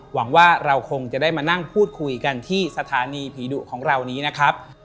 หวังว่าเราคงจะได้มานั่งพูดคุยกันที่สถานีผีดุของเรานี้นะครับ